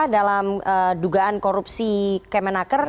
dalam dugaan korupsi kemenaker